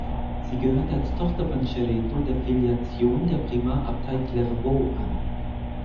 Sie gehörte als Tochter von Cerreto der Filiation der Primarabtei Clairvaux an.